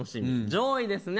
上位ですね